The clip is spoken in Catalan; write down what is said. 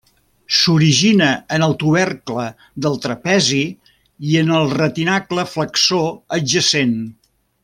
S'origina en el tubercle del trapezi i en el retinacle flexor adjacent.